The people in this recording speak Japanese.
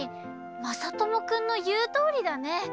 まさともくんのいうとおりだね。